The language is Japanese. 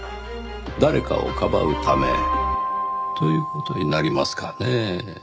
誰かをかばうためという事になりますかねぇ。